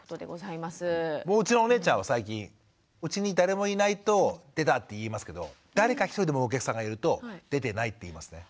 うちのお姉ちゃんは最近うちに誰もいないと「出た」って言いますけど誰か１人でもお客さんがいると「出てない」って言いますね。